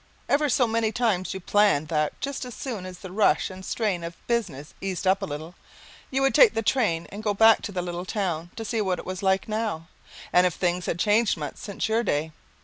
Ever so many times you planned that just as soon as the rush and strain of business eased up a little, you would take the train and go back to the little town to see what it was like now, and if things had changed much since your day.